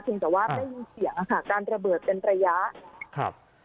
แต่ว่าได้ยินเสียงการระเบิดเป็นประยะ